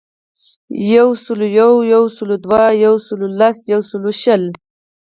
یوسلویو, یوسلودوه, یوسلولس, یوسلوشل